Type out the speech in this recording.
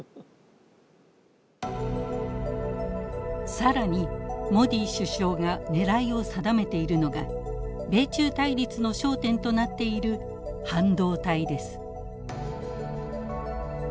更にモディ首相が狙いを定めているのが米中対立の焦点となっている半導体です。